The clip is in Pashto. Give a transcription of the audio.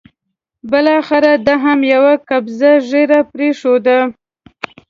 بالاخره ده هم یوه قبضه ږیره پرېښوده.